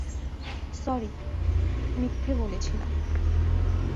Sorry, মিথ্যে বলেছিলাম।